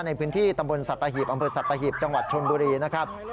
ในพื้นที่ตำบลสัตหีบอำเภอสัตหีบจังหวัดชนบุรีนะครับ